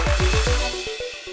selamat malam sampai jumpa